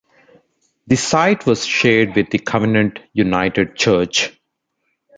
The site was shared with the Covenant United Church.